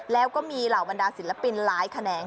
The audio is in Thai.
แล้วก็มีเหล่าบรรดาศิลปินหลายแขนง